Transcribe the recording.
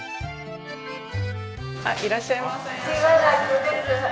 いらっしゃいませ。